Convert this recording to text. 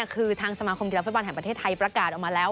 คือทางสมาคมกีฬาฟุตบอลแห่งประเทศไทยประกาศออกมาแล้ว